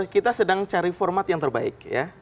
kita sedang cari format yang terbaik ya